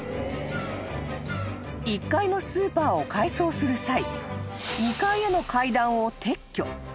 ［１階のスーパーを改装する際２階への階段を撤去］